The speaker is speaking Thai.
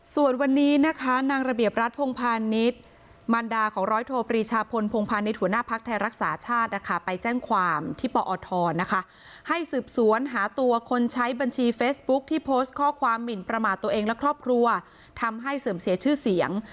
ส่วนวันนี้นะคะนางระเบียบรัฐพงพาณิชย์มารดาของร้อยโทปรีชาพลพงพาณิชย์หัวหน้าภักดิ์ไทยรักษาชาตินะคะไปแจ้งความที่ปอทนะคะให้สืบสวนหาตัวคนใช้บัญชีเฟซบุ๊คที่โพสต์ข้อความหมินประมาทตัวเองและครอบครัวทำให้เสื่อมเสียชื่อเสียง